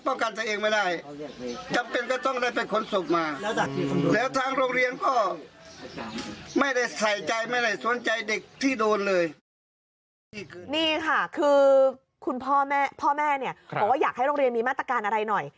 นี่ค่ะคือคุณพ่อแม่พ่อแม่เนี่ยบอกว่าอยากให้โรงเรียนมีมาตรการอะไรหน่อย